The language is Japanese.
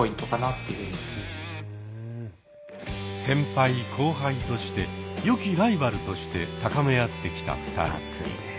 先輩・後輩としてよきライバルとして高め合ってきた２人。